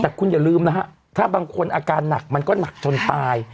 แต่คุณอย่าลืมนะฮะถ้าบางคนอาการหนักมันก็หนักจนตาย